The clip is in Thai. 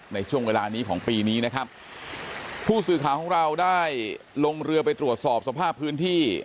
ในช่วงเวลานี้ของปีนี้นะครับผู้สื่อข่าวของเราได้ลงเรือไปตรวจสอบสภาพพื้นที่